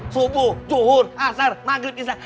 subuh juhur asar maghrib islam